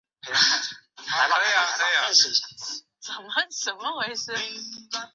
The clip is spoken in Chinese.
这幅画现存于西班牙的圣多默堂。